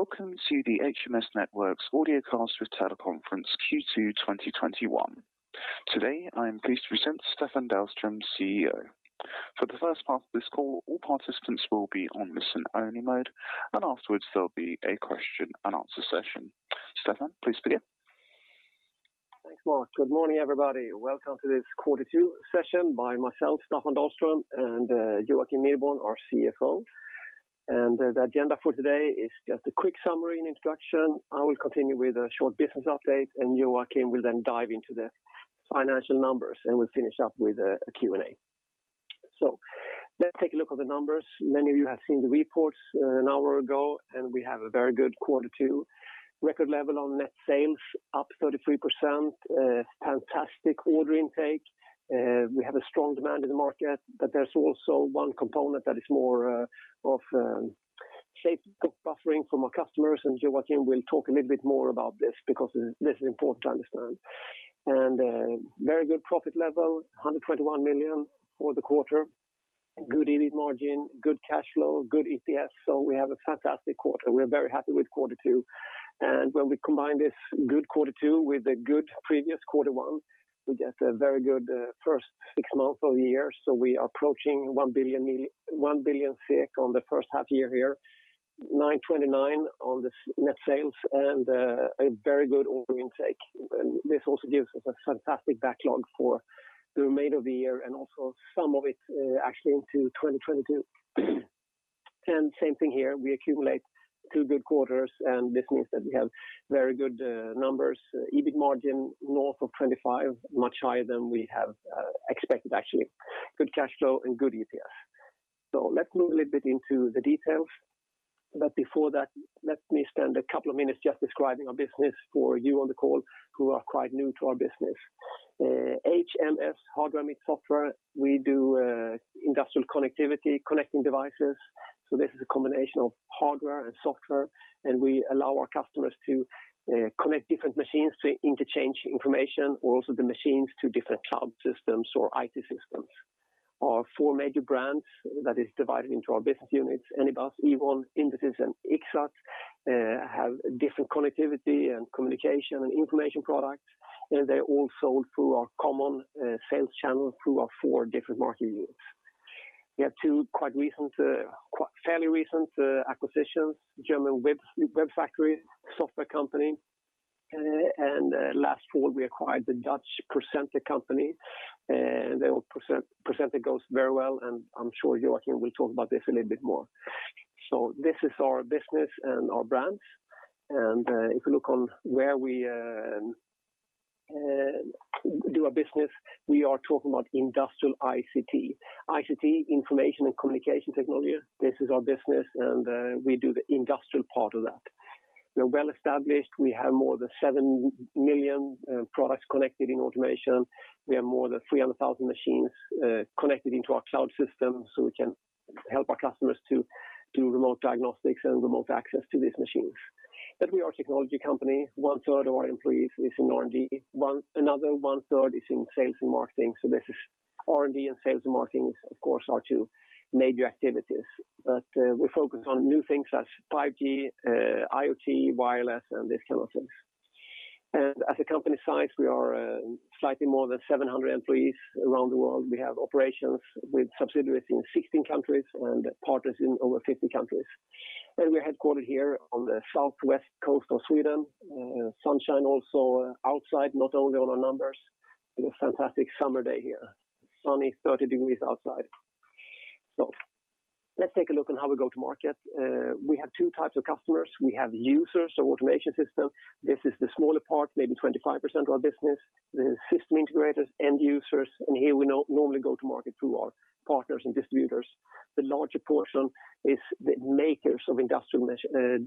Welcome to the HMS Networks audio cast with teleconference Q2 2021. Today, I'm pleased to present Staffan Dahlström, CEO. For the first part of this call, all participants will be on listen-only mode, and afterwards there'll be a question and answer session. Staffan, please begin. Thanks, Mark. Good morning, everybody. Welcome to this quarter two session by myself, Staffan Dahlström, and Joakim Nideborn, our CFO. The agenda for today is just a quick summary and introduction. I will continue with a short business update, and Joakim will then dive into the financial numbers, and we'll finish up with a Q&A. Let's take a look at the numbers. Many of you have seen the reports an hour ago, and we have a very good Q2. Record level on net sales, up 33%, fantastic order intake. We have a strong demand in the market, but there's also one component that is more of shape buffering from our customers, and Joakim will talk a little bit more about this because it's important to understand. Very good profit level, 121 million for the quarter. Good EBIT margin, good cash flow, good EPS. We have a fantastic quarter. We're very happy with Q2. When we combine this good Q2 with a good previous Q1, we get a very good first six months of the year. We are approaching 1 billion on the first half year here, 929 on the net sales and a very good order intake. This also gives us a fantastic backlog for the remainder of the year and also some of it actually into 2022. Same thing here, we accumulate two good quarters, and this means that we have very good numbers. EBIT margin north of 25%, much higher than we have expected, actually. Good cash flow and good EPS. Let's move a little bit into the details. Before that, let me spend a couple of minutes just describing our business for you on the call who are quite new to our business. HMS, Hardware Meets Software. We do industrial connectivity, connecting devices. This is a combination of hardware and software, and we allow our customers to connect different machines to interchange information, or also the machines to different cloud systems or IT systems. Our four major brands that is divided into our business units, Anybus, Ewon, Intesis, and Ixxat have different connectivity and communication and information products. They're all sold through our common sales channel through our four different market units. We have two fairly recent acquisitions, German WEBfactory, software company, and last fall we acquired the Dutch Procentec company, and Procentec goes very well, and I'm sure Joakim will talk about this a little bit more. This is our business and our brands. If you look on where we do our business, we are talking about industrial ICT. ICT, information and communication technology. This is our business, and we do the industrial part of that. We're well established. We have more than seven million products connected in automation. We have more than 300,000 machines connected into our cloud system, so we can help our customers to do remote diagnostics and remote access to these machines. We are a technology company. One third of our employees is in R&D. Another one third is in sales and marketing. R&D and sales and marketing is, of course, our two major activities. We focus on new things such as 5G, IoT, wireless, and this kind of things. At the company size, we are slightly more than 700 employees around the world. We have operations with subsidiaries in 16 countries and partners in over 50 countries. We're headquartered here on the southwest coast of Sweden. Sunshine also outside, not only on our numbers. A fantastic summer day here. Sunny, 30 degrees outside. Let's take a look at how we go to market. We have two types of customers. We have users of automation systems. This is the smaller part, maybe 25% of our business. The system integrators, end users, and here we normally go to market through our partners and distributors. The larger portion is the makers of industrial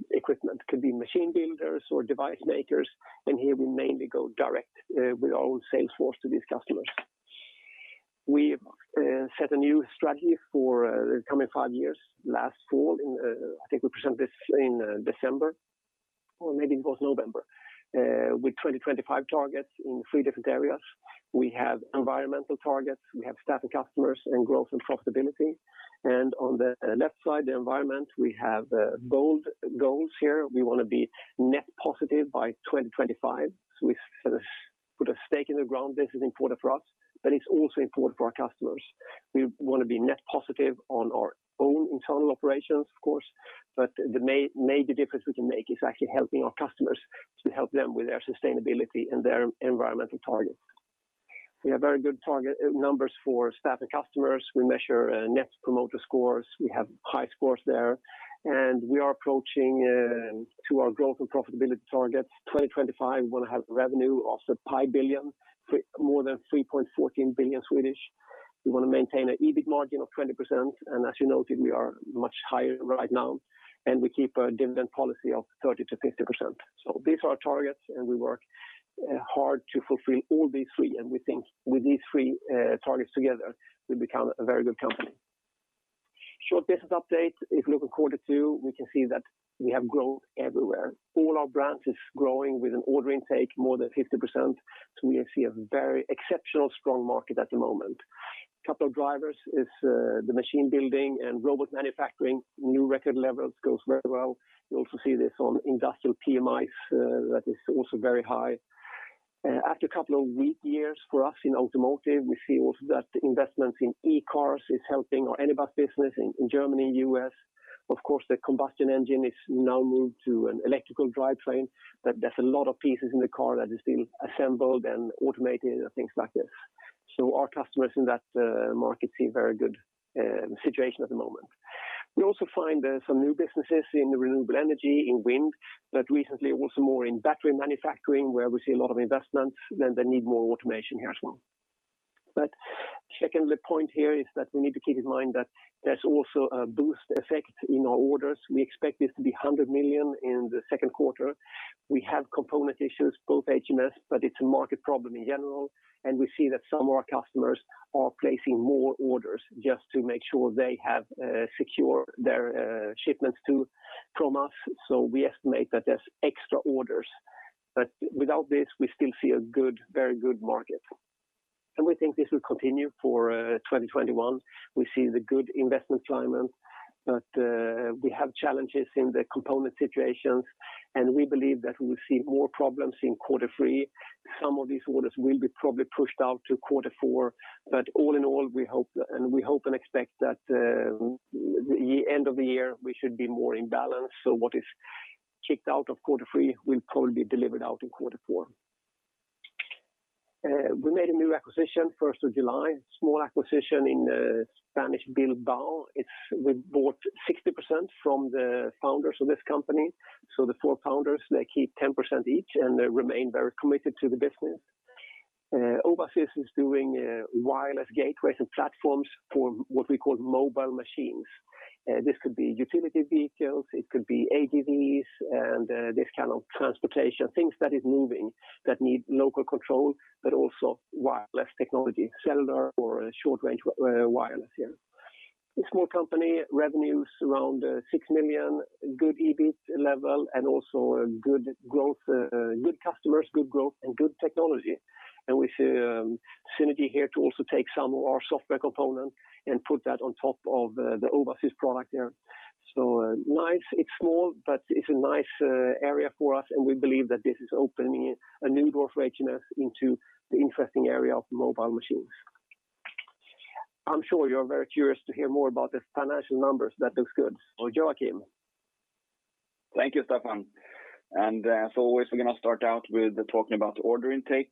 equipment. Could be machine builders or device makers, and here we mainly go direct with our sales force to these customers. We've set a new strategy for the coming five years last fall. I think we presented this in December or maybe it was November, with 2025 targets in three different areas. We have environmental targets. We have staff and customers, growth and profitability. On the left side, the environment, we have bold goals here. We want to be net positive by 2025. We put a stake in the ground. This is important for us. It's also important for our customers. We want to be net positive on our own internal operations, of course. The major difference we can make is actually helping our customers. We help them with their sustainability and their environmental targets. We have very good target numbers for staff and customers. We measure Net Promoter Score. We have high scores there. We are approaching to our growth and profitability targets. 2025, we'll have revenue of 5 billion, more than 3.14 billion. We want to maintain an EBIT margin of 20%, and as you noted, we are much higher right now, and we keep a dividend policy of 30%-50%. These are our targets, and we work hard to fulfill all these three. We think with these three targets together, we become a very good company. Short business update. If you look at quarter two, we can see that we have growth everywhere. All our brands is growing with an order intake more than 50%, so we see a very exceptional strong market at the moment. Couple of drivers is the machine building and robot manufacturing. New record levels goes very well. We also see this on industrial PMIs, that is also very high. After a couple of weak years for us in automotive, we see also that investment in e-cars is helping our Ixxat business in Germany and U.S.. The combustion engine is now moved to an electrical drivetrain, there's a lot of pieces in the car that are still assembled and automated and things like this. Our customers in that market see a very good situation at the moment. We also find some new businesses in renewable energy, in wind, recently also more in battery manufacturing, where we see a lot of investments, they need more automation here as well. Second point here is that we need to keep in mind that there's also a boost effect in our orders. We expect this to be 100 million in the Q2. We have component issues, both HMS Networks, it's a market problem in general, we see that some of our customers are placing more orders just to make sure they have secure their shipments too from us. We estimate that there's extra orders. Without this, we still see a very good market. We think this will continue for 2021. We see the good investment climate, but we have challenges in the component situations, and we believe that we'll see more problems in Q3. Some of these orders will be probably pushed out to Q3, all in all, we hope and expect that the end of the year, we should be more in balance. What is kicked out of Q3 will probably be delivered out in Q4. We made a new acquisition, July 1st, a small acquisition in Spanish, Bilbao. We bought 60% from the founders of this company. The four founders, they keep 10% each, and they remain very committed to the business. Owasys is doing wireless gateways and platforms for what we call mobile machines. This could be utility vehicles, it could be AGVs, and this kind of transportation, things that are moving that need local control, but also wireless technology, cellular or short-range wireless. It's a small company, revenue around 6 million, good EBIT level, also good customers, good growth, and good technology. We see an affinity here to also take some of our software components and put that on top of the Owasys product. It's small, but it's a nice area for us, and we believe that this is opening a new door for HMS Networks into the interesting area of mobile machines. I'm sure you're very curious to hear more about these financial numbers that look good. Joakim. Thank you, Staffan. As always, I'm going to start out with talking about order intake.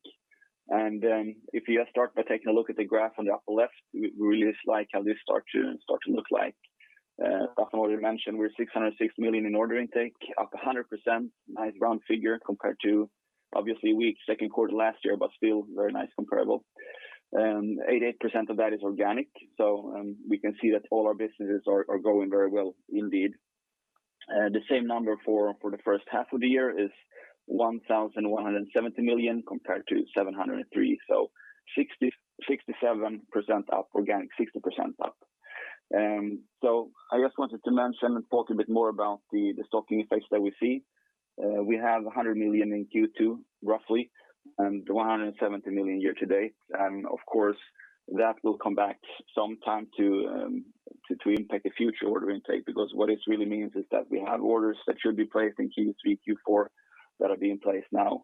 If you start by taking a look at the graph on the left, we really like how this started and starts to look like. Staffan already mentioned, we have 606 million in order intake, up 100%, nice round figure compared to obviously a weak Q2 last year, but still very nice comparable. 88% of that is organic. We can see that all our businesses are growing very well indeed. The same number for the H1 of the year is 1,170 million compared to 703 million. 67% up organic, 60% up. I just wanted to mention and talk a bit more about the stocking effects that we see. We have 100 million in Q2, roughly, and 170 million year-to-date. Of course, that will come back sometime to impact the future order intake, because what it really means is that we have orders that should be placed in Q3, Q4 that are being placed now.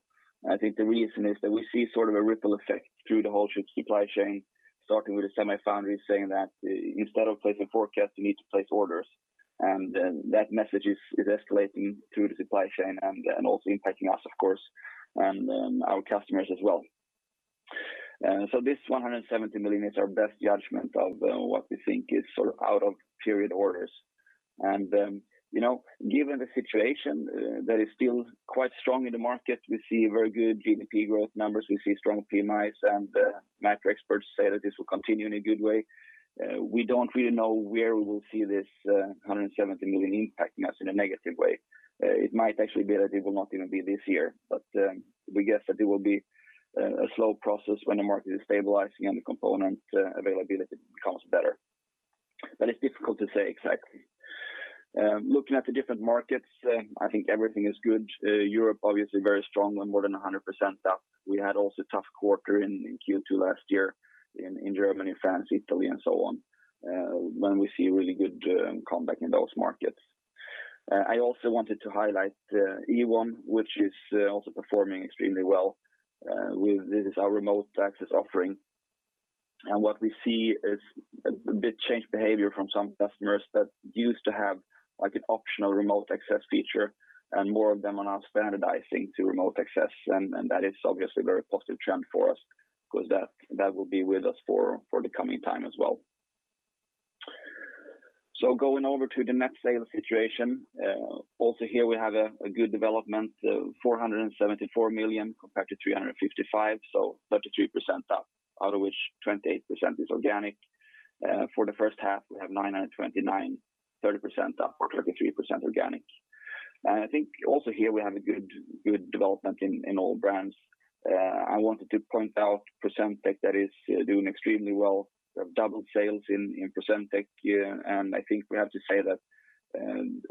I think the reason is that we see sort of a ripple effect through the whole chip supply chain, starting with the semi foundry saying that instead of placing forecasts, you need to place orders. That message is escalating through the supply chain and also impacting us, of course, and our customers as well. This 170 million is our best judgment of what we think is sort of out of period orders. Given the situation that is still quite strong in the market, we see very good GDP growth numbers, we see strong PMIs, and macro experts say that this will continue in a good way. We don't really know where we will see this 170 million impact us in a negative way. It might actually be that it will not even be this year. We guess that it will be a slow process when the market is stabilizing and component availability becomes better. It's difficult to say exactly. Looking at the different markets, I think everything is good. Europe, obviously very strong, more than 100% up. We had also a tough quarter in Q2 last year in Germany, France, Italy, and so on, when we see really good comeback in those markets. I also wanted to highlight Ewon, which is also performing extremely well. This is our remote access offering. What we see is a bit change behavior from some customers that used to have an optional remote access feature, and more of them are now standardizing to remote access, and that is obviously a very positive trend for us because that will be with us for the coming time as well. Going over to the net sales situation. Also here we have a good development, 474 million compared to 355 million, so 33% up, out of which 28% is organic. For the H1, we have 929 million, 30% up, or 33% organic. I think also here we have a good development in all brands. I wanted to point out Procentec that is doing extremely well. We have doubled sales in Procentec. I think we have to say that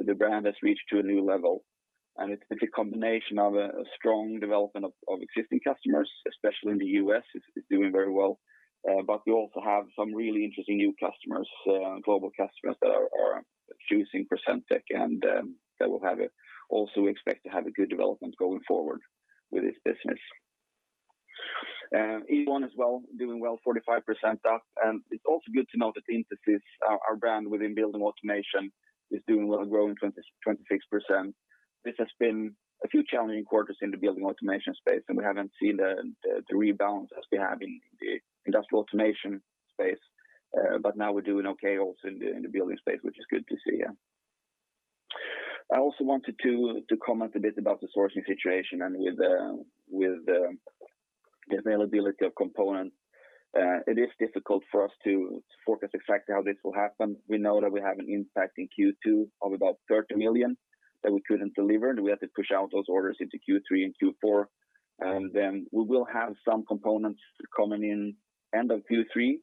the brand has reached a new level. It's a combination of a strong development of existing customers, especially in the U.S., it's doing very well. We also have some really interesting new customers, global customers that are choosing Procentec, and that we'll also expect to have a good development going forward with this business. Ewon as well, doing well, 45% up. It's also good to know that Intesis, our brand within building automation, is doing well, growing 26%. This has been a few challenging quarters in the building automation space, and we haven't seen the rebound as we have in the industrial automation space. Now we're doing okay also in the building space, which is good to see, yeah. I also wanted to comment a bit about the sourcing situation and with the availability of components. It is difficult for us to forecast exactly how this will happen. We know that we have an impact in Q2 of about 30 million that we couldn't deliver, and we had to push out those orders into Q3 and Q4. We will have some components coming in end of Q3.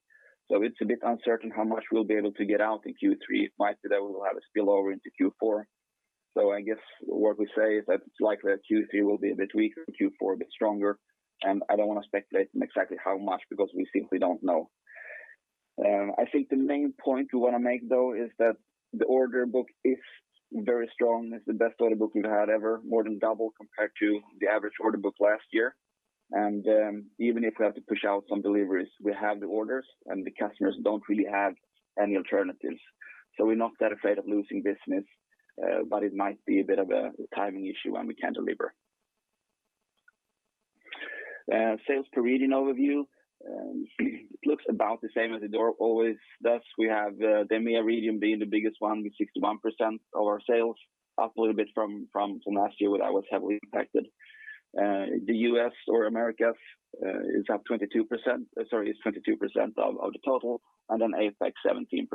It's a bit uncertain how much we'll be able to get out in Q3. It might be that we'll have a spillover into Q4. I guess what we say is that it's likely that Q3 will be a bit weaker, Q4 a bit stronger. I don't want to speculate on exactly how much, because we simply don't know. I think the main point we want to make, though, is that the order book is very strong. It's the best order book we've had ever, more than double compared to the average order book last year. Even if we have to push out some deliveries, we have the orders, and the customers don't really have any alternatives. We're not that afraid of losing business. It might be a bit of a timing issue when we can deliver. Sales by region overview looks about the same as it always does. We have the EMEA region being the biggest one with 61% of our sales, up a little bit from last year that was heavily impacted. The U.S. or Americas is 22% of the total, APAC 17%.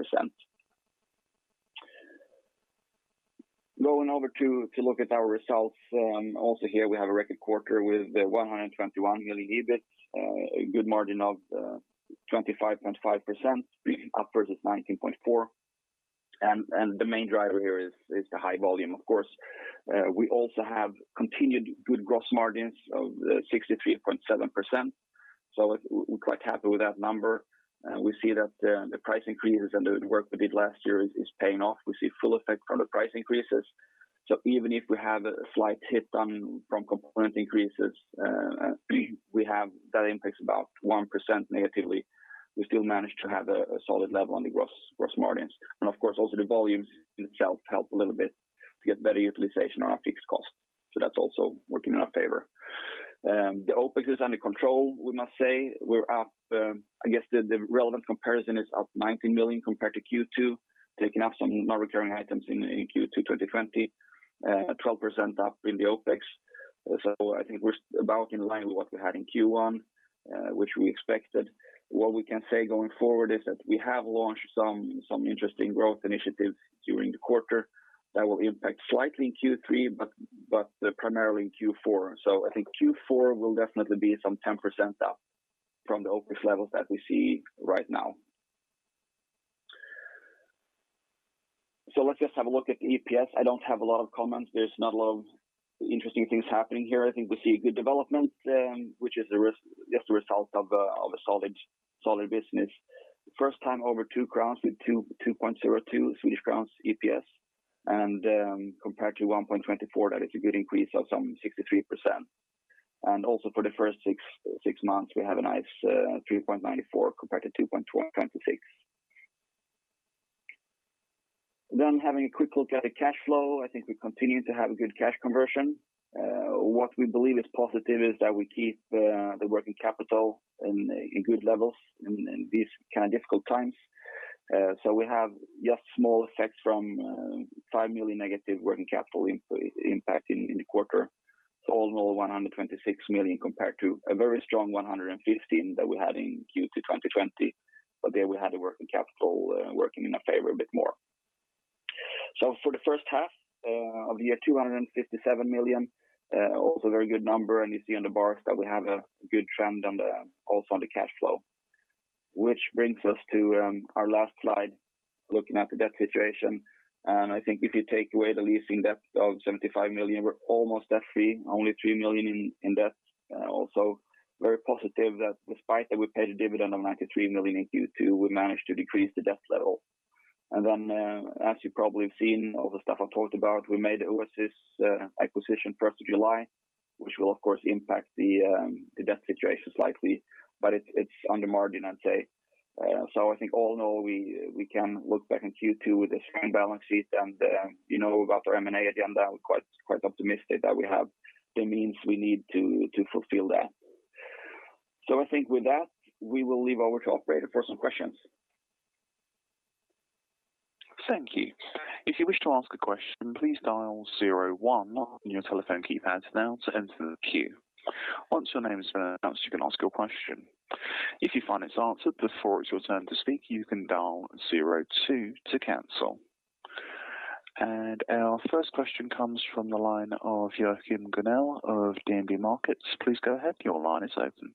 Going over to look at our results, here, we had a record quarter with 121 million EBIT, a good margin of 25.5%, up versus 19.4%. The main driver here is the high volume, of course. We also have continued good gross margins of 63.7%, so we're quite happy with that number. We see that the price increases and the work we did last year is paying off. We see full effect from the price increases. Even if we have a slight hit from component increases, we have that impact is about 1% negatively. We still manage to have a solid level on the gross margins. Of course, also the volumes itself help a little bit to get better utilization on our fixed cost. That's also working in our favor. The OpEx is under control, we must say. I guess the relevant comparison is up 90 million compared to Q2, taking out some non-recurring items in Q2 2020, 12% up in the OpEx. I think we're about in line with what we had in Q1, which we expected. What we can say going forward is that we have launched some interesting growth initiatives during the quarter that will impact slightly in Q3, but primarily in Q4. I think Q4 will definitely be some 10% up from the OpEx levels that we see right now. Let's just have a look at the EPS. I don't have a lot of comments. There's not a lot of interesting things happening here. I think we see a good development, which is just a result of a solid business. First time over two crowns with 2.02 Swedish crowns EPS, compared to 1.24, that is a good increase of some 63%. Also for the first six months, we had a nice 3.94 compared to 2.26. Having a quick look at cash flow, I think we continue to have a good cash conversion. What we believe is positive is that we keep the working capital in good levels in these kind of difficult times. We have just small effects from 5 million negative working capital impacting in the quarter. All in all, 126 million compared to a very strong 115 million that we had in Q2 2020. There we had the working capital working in our favor a bit more. For the H1 of the year, 257 million, also a very good number, and you see on the bars that we have a good trend also on the cash flow. Which brings us to our last slide, looking at the debt situation. I think if you take away the leasing debt of 75 million, we're almost debt free, only 3 million in debt. Also very positive that despite that we paid a dividend of 93 million in Q2, we managed to decrease the debt level. As you probably have seen all the stuff I've talked about, we made the Owasys acquisition July 1st, which will of course impact the debt situation slightly, but it's on the margin, I'd say. I think all in all, we can look back on Q2 with a strong balance sheet, and you know about our M&A agenda, I'm quite optimistic that we have the means we need to fulfill that. I think with that, we will leave over to operator for some questions. Thank you. If you wish to ask a question please dial zero one on your telephone keypad to enter the queue. Once your name is heard, ask your question. If you find it's answered before it's your turn to speak, you can dial zero two to cancel. Our first question comes from the line of Joachim Gunell of DNB Markets. Please go ahead, your line is open.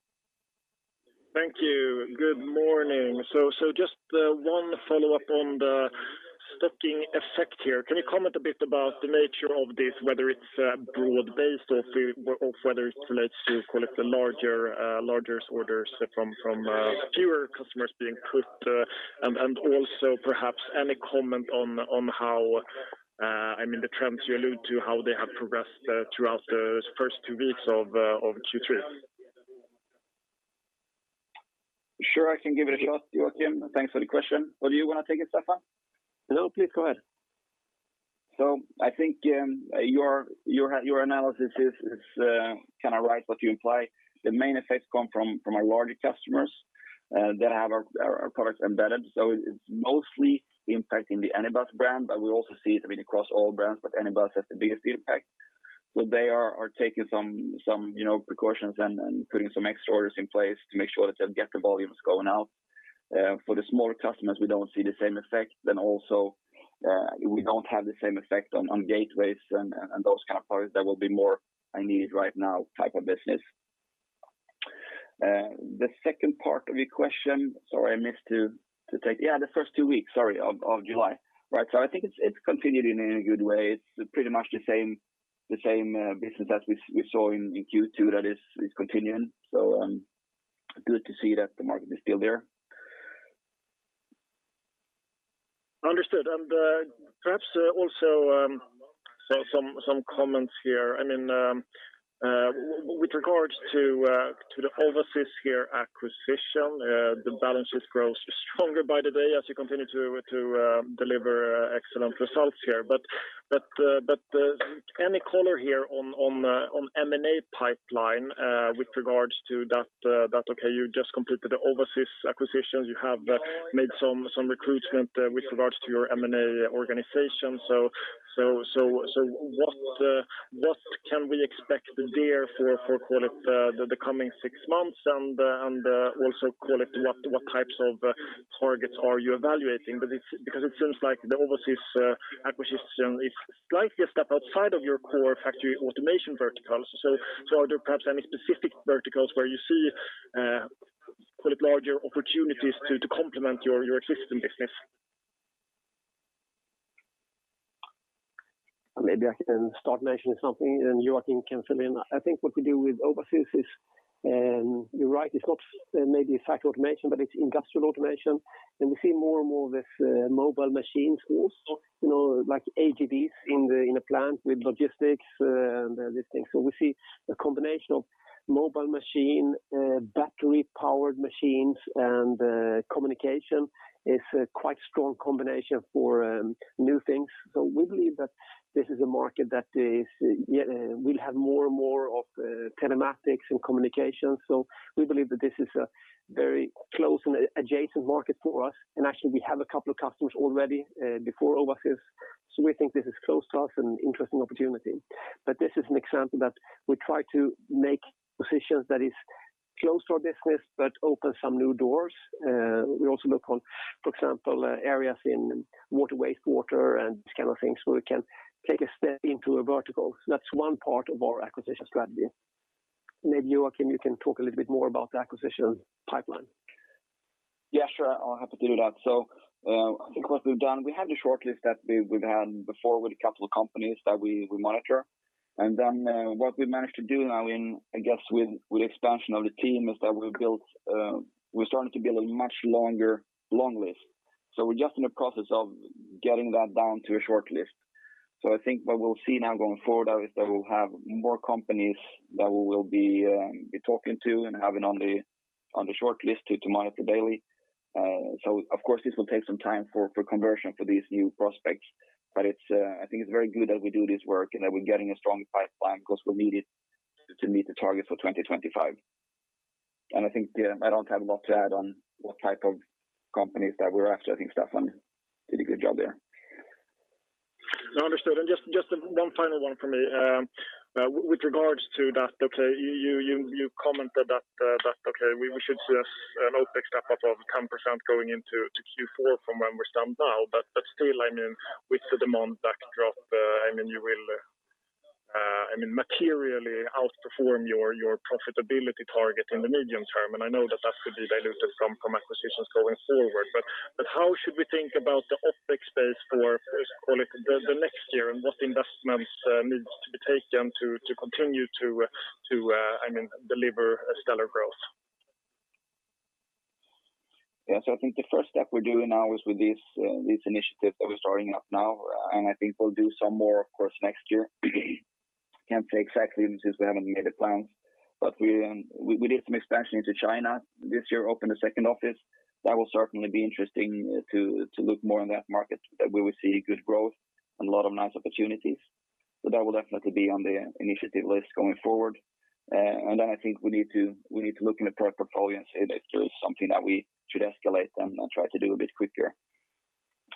Thank you. Good morning. Just one follow-up on the stocking effect here. Can you comment a bit about the nature of this, whether it's broad-based or whether it relates to, call it, the larger orders from fewer customers being put? And also perhaps any comment on the trends you allude to, how they have progressed throughout the first two weeks of Q3? Sure, I can give it a shot, Joakim. Thanks for the question. Do you want to take it, Staffan? No, please go ahead. I think your analysis is right what you imply. The main effects come from our larger customers that have our products embedded. It's mostly impacting the Anybus brand, but we also see it across all brands, but Anybus has the biggest impact. They are taking some precautions and putting some extra orders in place to make sure that they'll get the volumes going out. For the smaller customers, we don't see the same effect. Also, we don't have the same effect on gateways and those kind of products that will be more I-need-it-right-now type of business. The second part of your question, sorry, I missed to take. Yeah, the first two weeks, sorry, of July. I think it's continued in a good way. It's pretty much the same business that we saw in Q2 that is continuing. Good to see that the market is still there. Understood. Perhaps also some comments here. With regards to the Owasys acquisition, the balance sheet grows stronger by the day as you continue to deliver excellent results here. Any color here on M&A pipeline with regards to that? Okay, you just completed the Owasys acquisitions. You have made some recruitment with regards to your M&A organization. What can we expect there for, call it, the coming six months and also, call it, what types of targets are you evaluating? Because it seems like the Owasys acquisition is slightly a step outside of your core factory automation verticals. Are there perhaps any specific verticals where you see larger opportunities to complement your existing business? Maybe I can start mentioning something, and Joakim can fill in. I think what we do with Owasys is, you're right, it's not maybe factory automation, but it's industrial automation. We see more and more this mobile machine tools, like AGVs in a plant with logistics and these things. We see a combination of mobile machine, battery-powered machines, and communication is a quite strong combination for new things. We believe that this is a market that will have more and more of telematics and communication. We believe that this is a very close and adjacent market for us. Actually, we have a couple of customers already before Owasys, so we think this is close to us and interesting opportunity. This is an example that we try to make positions that is close to our business but open some new doors. We also look on, for example, areas in water, wastewater, and these kind of things, so we can take a step into a vertical. That's one part of our acquisition strategy. Maybe, Joakim, you can talk a little bit more about the acquisition pipeline. Yeah, sure. I'm happy to do that. I think what we've done, we have the shortlist that we've had before with a couple of companies that we monitor. What we've managed to do now in, I guess, with expansion of the team, is that we're starting to build a much longer long list. We're just in the process of getting that down to a shortlist. I think what we'll see now going forward out is that we'll have more companies that we will be talking to and having on the shortlist to monitor daily. Of course, this will take some time for conversion for these new prospects, but I think it's very good that we do this work and that we're getting a strong pipeline because we need it to meet the targets for 2025. I think I don't have a lot to add on what type of companies that we're after. I think Staffan did a good job there. Understood. Just one final one from me. With regards to that, you commented that we should see an OpEx step up of 10% going into Q4 from where we stand now. Still, with the demand backdrop, you will materially outperform your profitability target in the medium term, and I know that that could be diluted from acquisitions going forward. How should we think about the OpEx space for, call it, the next year, and what investments need to be taken to continue to deliver a stellar growth? Yeah. I think the first step we're doing now is with these initiatives that we're starting up now. I think we'll do some more, of course, next year. Can't say exactly since we haven't made the plans. We did some expansion into China this year, opened a second office. That will certainly be interesting to look more in that market that we will see good growth and a lot of nice opportunities. That will definitely be on the initiative list going forward. I think we need to look in the product portfolio and see if there is something that we should escalate and try to do a bit quicker.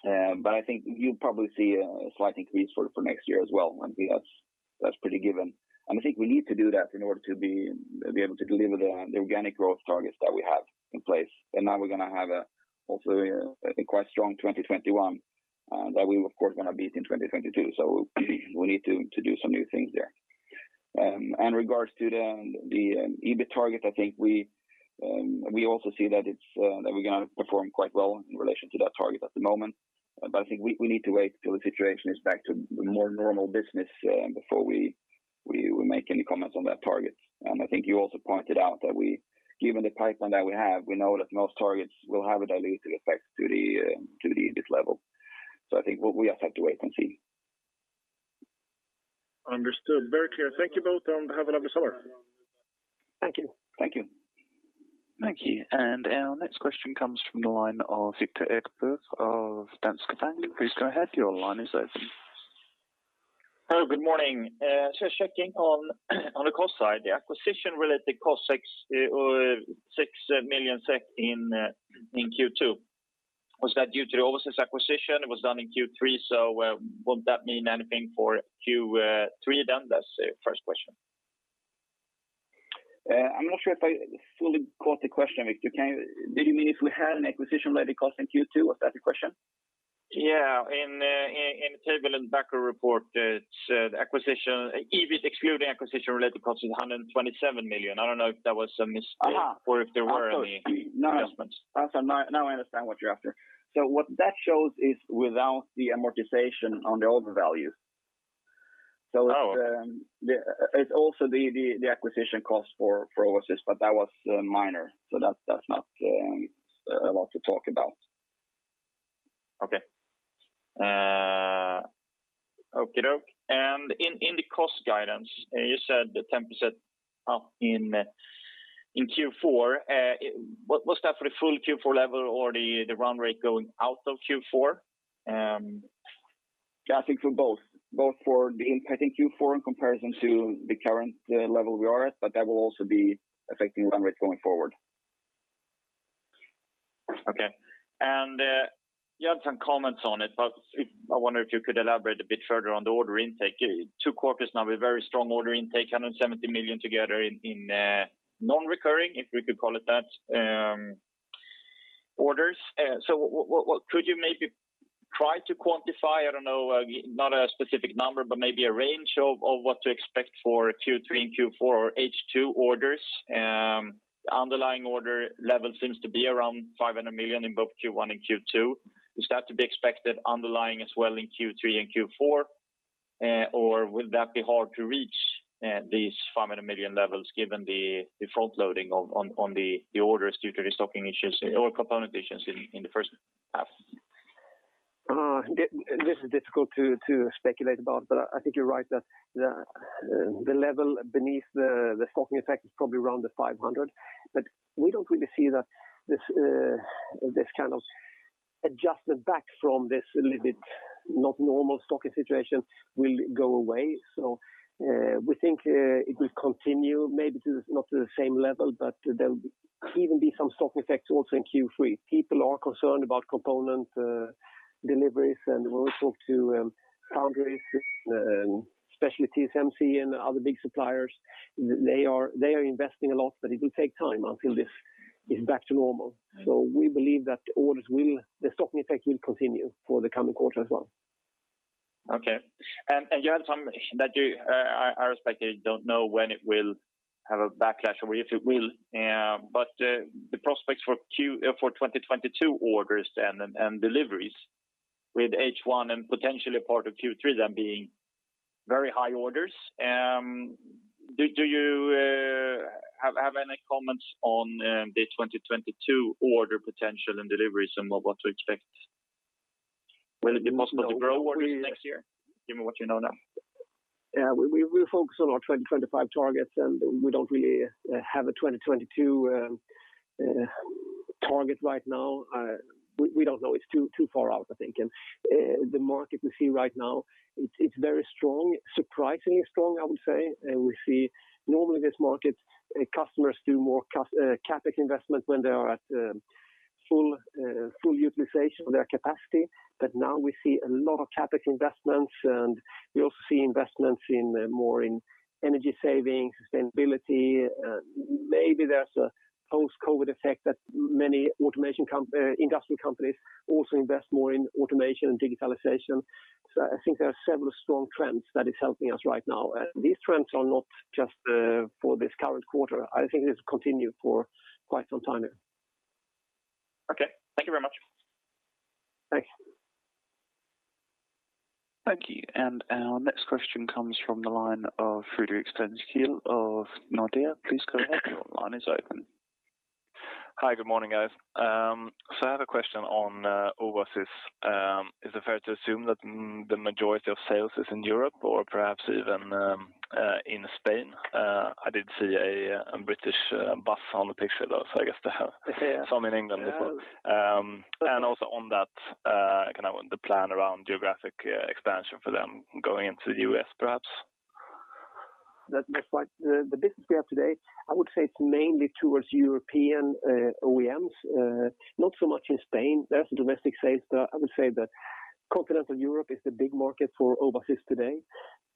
I think you'll probably see a slight increase for next year as well. I think that's pretty given. I think we need to do that in order to be able to deliver the organic growth targets that we have in place. Now we're going to have also, I think, quite strong 2021 that we of course, going to beat in 2022. We need to do some new things there. In regards to the EBIT target, I think we also see that we're going to perform quite well in relation to that target at the moment. I think we need to wait till the situation is back to more normal business before we make any comments on that target. I think you also pointed out that given the pipeline that we have, we know that most targets will have a dilutive effect to the EBIT level. I think what we have to wait and see. Understood. Very clear. Thank you both, and have a lovely summer. Thank you. Thank you. Our next question comes from the line of Viktor Högberg of Dagens Industri. Hello, good morning. Just checking on the cost side, the acquisition related cost 6 million SEK in Q2. Was that due to Owasys acquisition? It was done in Q3, so would that mean anything for Q3 then? That's the first question. I'm not sure if I fully caught the question, Viktor. Do you mean if we had an acquisition related cost in Q2? Was that the question? Yeah. In the table in the backup report that said acquisition, EBIT excluding acquisition related costs 127 million. I don't know if that was a mistake or if there were any adjustments. I understand what you're after. What that shows is without the amortization on the other values. Oh. It's also the acquisition cost for Owasys, but that was minor, so that's not a lot to talk about. Okay. Okey doke. In the cost guidance, you said the 10% up in Q4. Was that for the full Q4 level or the run rate going out of Q4? I think for both. Both for the impact in Q4 in comparison to the current level we are at, but that will also be affecting run rates going forward. Okay. You had some comments on it, but I wonder if you could elaborate a bit further on the order intake. two quarters now with very strong order intake, 170 million together in non-recurring, if we could call it that, orders. Could you maybe try to quantify, I don't know, not a specific number, but maybe a range of what to expect for Q3 and Q4 H2 orders? Underlying order level seems to be around 500 million in both Q1 and Q2. Is that to be expected underlying as well in Q3 and Q4? Would that be hard to reach these 500 million levels given the front loading on the orders due to the stocking issues or component issues in the first half? This is difficult to speculate about, but I think you're right that the level beneath the stocking effect is probably around the 500, but we don't really see that this kind of adjustment back from this little bit not normal stocking situations will go away. We think it will continue maybe not to the same level, but there will clearly be some stock effects also in Q3. People are concerned about component deliveries, and when we talk to foundries, especially TSMC and other big suppliers, they are investing a lot, but it will take time until this is back to normal. We believe that the stocking effect will continue for the coming quarter as well. Okay. You had some that you, I respect that you don't know when it will have a backlash or if it will, but the prospects for 2022 orders then and deliveries with H1 and potentially part of Q3 then being very high orders. Do you have any comments on the 2022 order potential and deliveries and what to expect? Will it be possible to grow orders next year, given what you know now? We focus on our 2025 targets, we don't really have a 2022 target right now. We don't know. It's too far off, I think. The market we see right now, it's very strong, surprisingly strong, I would say. We see normally this market, customers do more CapEx investment when they are at full utilization of their capacity. Now we see a lot of CapEx investments, and we also see investments more in energy savings, sustainability. Maybe there's a post-COVID effect that many industrial companies also invest more in automation and digitalization. I think there are several strong trends that are helping us right now. These trends are not just for this current quarter. I think it will continue for quite some time now. Okay. Thank you very much. Thanks. Thank you. Our next question comes from the line of Fredrik Stenkil of Nordea. Please go ahead. Your line is open. Hi, good morning, guys. I have a question on Owasys. Is it fair to assume that the majority of sales is in Europe or perhaps even in Spain? I did see an Anybus on the picture, though, so I guess they have some in England as well. Also on that, kind of the plan around geographic expansion for them going into the U.S., perhaps. That's quite the business we have today. I would say it's mainly towards European OEMs, not so much in Spain. There's a domestic sales there. I would say that Continental Europe is the big market for Owasys today.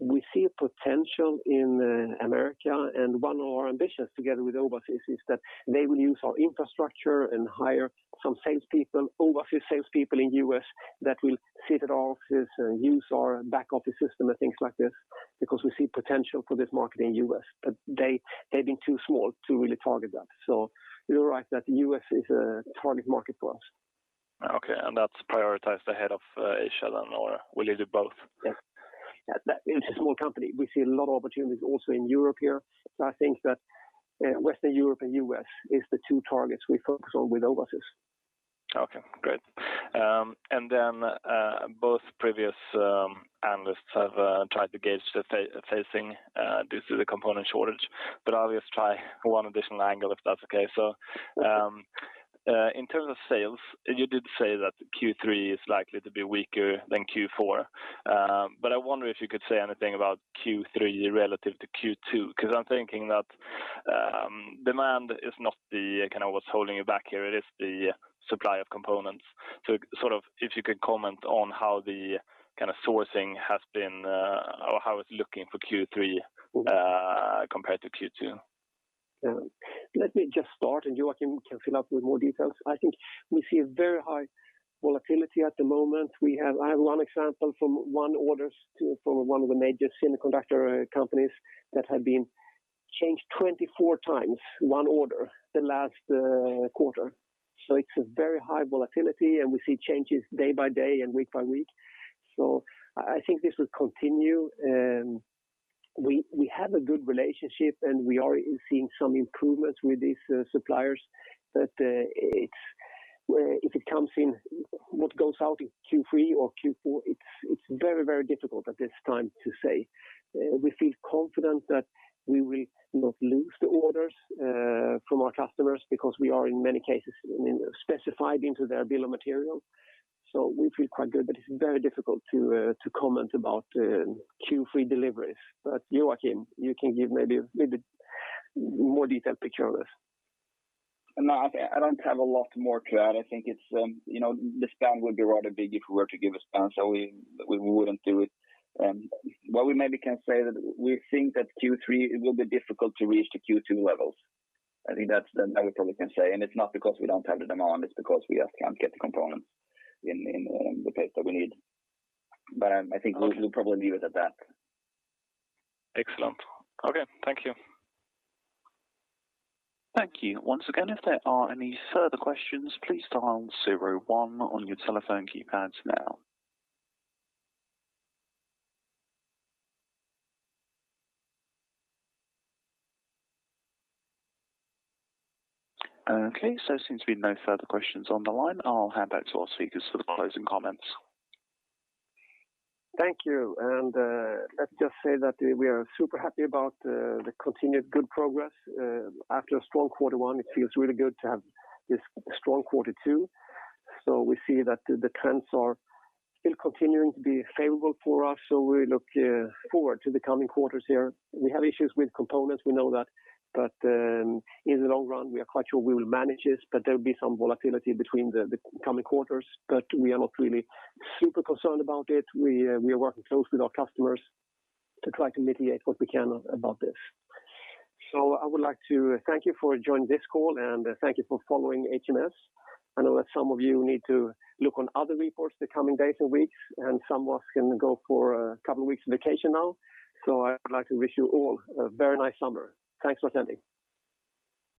We see a potential in America, and one of our ambitions together with Owasys is that they will use our infrastructure and hire some salespeople, Owasys salespeople in U.S. that will sit at offices and use our back office system and things like this, because we see potential for this market in U.S., but they've been too small to really target that. You're right that U.S. is a target market for us. Okay, that's prioritized ahead of Asia then, or will you do both? Yes. It's a small company. We see a lot of opportunities also in Europe here. I think that Western Europe and U.S. is the two targets we focus on with Owasys. Okay, great. Then, both previous analysts have tried to gauge the phasing due to the component shortage, but I'll just try one additional angle, if that's okay. In terms of sales, you did say that Q3 is likely to be weaker than Q4. I wonder if you could say anything about Q3 relative to Q2, because I'm thinking that demand is not what's holding you back here, it is the supply of components. If you could comment on how the sourcing has been or how it's looking for Q3 compared to Q2? Let me just start, and Joakim can fill up with more details. I think we see a very high volatility at the moment. I have one example from one order for one of the major semiconductor companies that had been changed 24x, one order, the last quarter. It's a very high volatility, and we see changes day by day and week by week. I think this will continue. We have a good relationship, and we are seeing some improvements with these suppliers. If it comes in what goes out in Q3 or Q4, it's very difficult at this time to say. We feel confident that we will not lose the orders from our customers because we are, in many cases, specified into their bill of material. We feel quite good, but it's very difficult to comment about Q3 deliveries. Joakim, you can give maybe a more detailed picture of this. No, I don't have a lot more to add. I think the span would be rather big if we were to give a span, so we wouldn't do it. What we maybe can say that we think that Q3 will be difficult to reach the Q2 levels. I think that's what we probably can say, and it's not because we don't have the demand, it's because we just can't get the components in the pace that we need. I think we'll probably leave it at that. Excellent. Okay. Thank you. Thank you. Once again, if there are any further questions, please dial zero one on your telephone keypads now. Okay, seems to be no further questions on the line. I'll hand back to our speakers for the closing comments. Thank you. Let's just say that we are super happy about the continued good progress. After a strong quarter one, it feels really good to have this strong quarter two. We see that the trends are still continuing to be favorable for us, so we look forward to the coming quarters here. We have issues with components, we know that, but in the long run, we are quite sure we will manage it, but there will be some volatility between the coming quarters, but we are not really super concerned about it. We are working closely with our customers to try to mitigate what we can about this. I would like to thank you for joining this call and thank you for following HMS Networks. I know that some of you need to look on other reports the coming days and weeks, and some of us can go for a couple of weeks vacation now. I would like to wish you all a very nice summer. Thanks for attending.